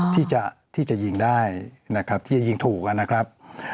ที่จะยิงได้นะครับที่จะยิงถูกนะครับ